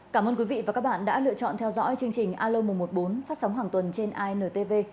cảm ơn quý vị và các bạn đã lựa chọn theo dõi chương trình alo một trăm một mươi bốn phát sóng hàng tuần trên intv